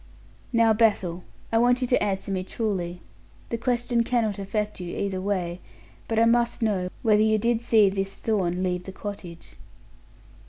"Now, Bethel, I want you to answer me truly. The question cannot affect you either way, but I must know whether you did see this Thorn leave the cottage."